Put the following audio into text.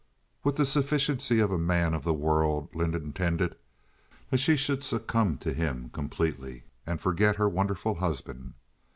With the sufficiency of a man of the world Lynde intended that she should succumb to him completely and forget her wonderful husband.